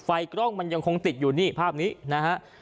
กล้องมันยังคงติดอยู่นี่ภาพนี้นะฮะ